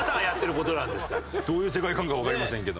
どういう世界観かわかりませんけども。